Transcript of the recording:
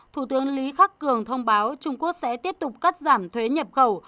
thủ tướng lý khắc cường thông báo trung quốc sẽ tiếp tục cắt giảm thuế nhập khẩu